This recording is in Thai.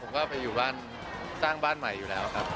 ผมก็ไปอยู่บ้านสร้างบ้านใหม่อยู่แล้วครับ